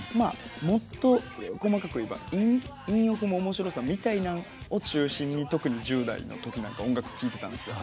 もっと細かく言えば韻を踏む面白さみたいなのを中心に特に１０代のときなんか音楽聴いてたんですよ。